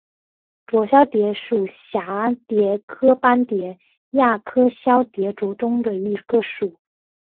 浊绡蝶属是蛱蝶科斑蝶亚科绡蝶族中的一个属。